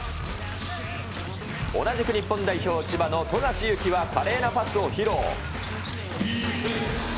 同じく日本代表、千葉の富樫勇樹は華麗なパスを披露。